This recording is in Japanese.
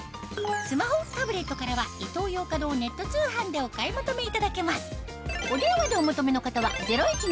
スマホタブレットからはイトーヨーカドーネット通販でお買い求めいただけます